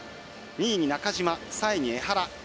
２位に中島、３位に江原。